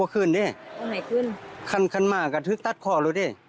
คือว่าให้ครบให้เลย